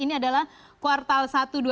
ini adalah kuartal satu dua ribu enam belas